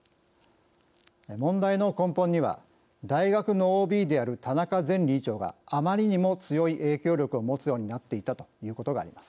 問題の根本には大学のＯＢである田中前理事長があまりにも強い影響力を持つようになっていたということがあります。